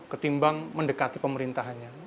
ketimbang mendekati pemerintahnya